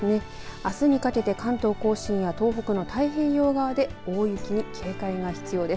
あすにかけて関東甲信や東北の太平洋側で大雪に警戒が必要です。